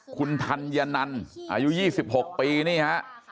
คุณธัญนันอายุ๒๖ปีนี่ฮะ